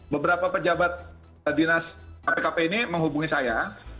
beberapa pejabat dinas kpkp ini menghubungi saya